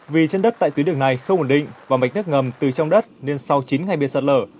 vì trên đất tại tuyến đường này không ổn định và mạch nước ngầm từ trong đất nên sau chín ngày bị sạt lở